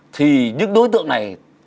thì những đối tượng này